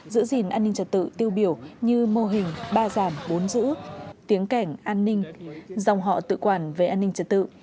giữ gìn an ninh trật tự tiêu biểu như mô hình ba giảm bốn giữ tiếng cảnh an ninh dòng họ tự quản về an ninh trật tự